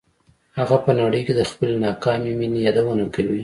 هغه په نړۍ کې د خپلې ناکامې مینې یادونه کوي